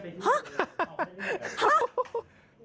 ฮะ